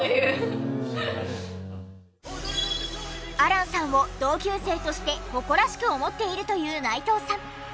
亜嵐さんを同級生として誇らしく思っているという内藤さん。